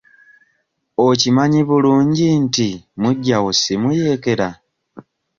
Okimanyi bulungi nti muggyawo si muyeekera?